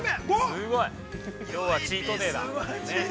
◆すごい、きょうはチートデイだ。